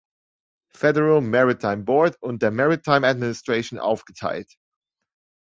Federal Maritime Board" und der "Maritime Administration" aufgeteilt.